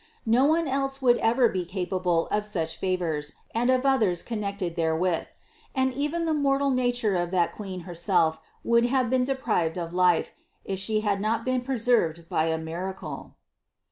No one else would ever be capable of such favors and of others connected therewith ; and even the mortal nature of that Queen her self would have been deprived of life, if She had not been preserved by a miracle.